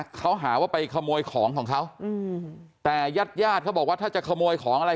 เขาหาว่าไปขโมยของของเขาอืมแต่ญาติญาติเขาบอกว่าถ้าจะขโมยของอะไร